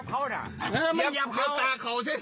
เออมันเย็บเขา